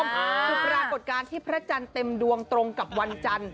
คือปรากฏการณ์ที่พระจันทร์เต็มดวงตรงกับวันจันทร์